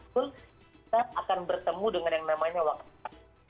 kita akan bertemu dengan yang namanya waktu